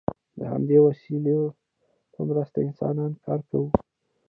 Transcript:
د همدې وسایلو په مرسته انسانانو کار کاوه.